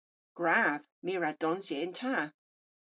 Gwrav! My a wra donsya yn ta!